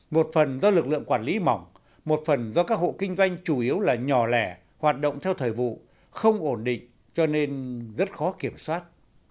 một phần do lực lượng quản lý mỏng một phần do các hộ kinh doanh chủ yếu là nhỏ lẻ hoạt động theo thời vụ không ổn định cho nên rất khó kiểm soát